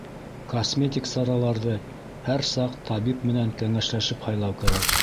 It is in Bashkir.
Косметик сараларҙы һәр саҡ табип менән кәңәшләшеп һайлау кәрәк!